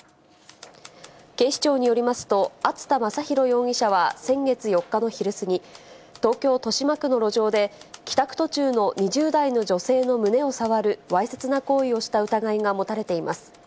警視庁によりますと、熱田昌広容疑者は先月４日の昼過ぎ、東京・豊島区の路上で、帰宅途中の２０代の女性の胸を触るわいせつな行為をした疑いが持たれています。